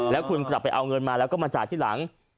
แล้วคุณกลับไปเอาเงินมาแล้วก็มาจ่ายที่หลัง